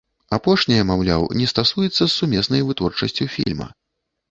Апошняе, маўляў, не стасуецца з сумеснай вытворчасцю фільма.